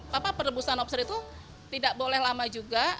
lama perlebusan lobster itu tidak boleh lama juga